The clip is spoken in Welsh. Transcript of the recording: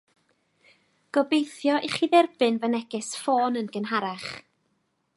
Gobeithio i chi dderbyn fy neges ffôn yn gynharach